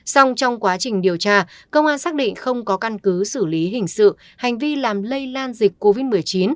xong trong quá trình điều tra công an xác định không có căn cứ xử lý hình sự hành vi làm lây lan dịch covid một mươi chín